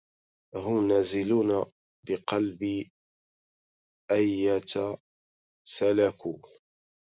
هم نازلون بقلبي أية سلكوا